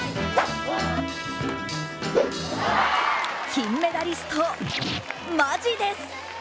金メダリスト、マジです。